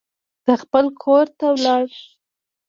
ده خپل کور ته لاړ.